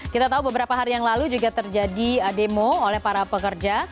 kita tahu beberapa hari yang lalu juga terjadi demo oleh para pekerja